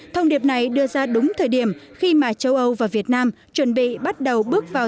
thông điệp này đưa ra đúng thời điểm khi mà châu âu và việt nam chuẩn bị bắt đầu bước vào